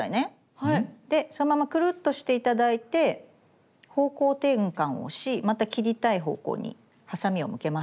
でそのままくるっとして頂いて方向転換をしまた切りたい方向にハサミを向けます。